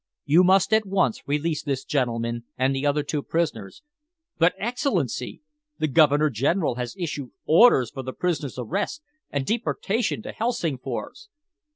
You must at once release this gentleman and the other two prisoners." "But, Excellency, the Governor General has issued orders for the prisoner's arrest and deportation to Helsingfors."